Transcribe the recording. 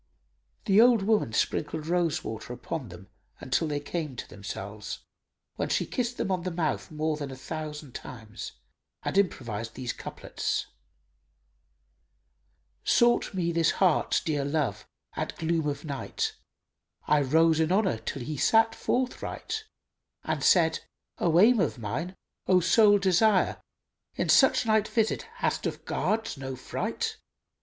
The old woman sprinkled rose water upon them till they came to themselves, when she kissed him on the mouth more than a thousand times and improvised these couplets, "Sought me this heart's dear love at gloom of night; * I rose in honour till he sat forthright, And said, 'O aim of mine, O sole desire * In such night visit hast of guards no fright?